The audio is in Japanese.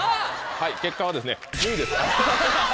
はい結果は１０位です。